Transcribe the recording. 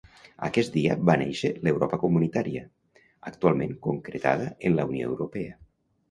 Aquest dia va néixer l'Europa comunitària, actualment concretada en la Unió Europea.